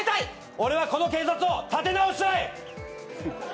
俺はこの警察を立て直したい！